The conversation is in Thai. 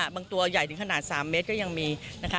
ตัวใหญ่ถึงขนาด๓เมตรก็ยังมีนะคะ